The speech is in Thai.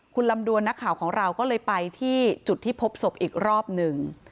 คุณลำดวนนักข่าวของเราก็เลยไปที่จุดที่พบศพอีกรอบหนึ่ง